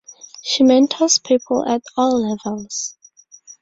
She mentors people at all levels.